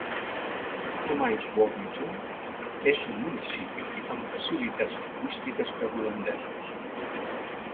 Comines-Warneton és un municipi amb facilitats lingüístiques per holandesos.